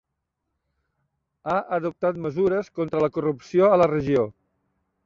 Ha adoptat mesures contra la corrupció a la regió.